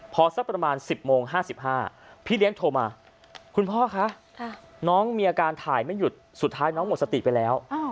พอสักประมาณ๑๐โมง๕๕พี่เลี้ยงโทรมาคุณพ่อคะน้องมีอาการถ่ายไม่หยุดสุดท้ายน้องหมดสติไปแล้ว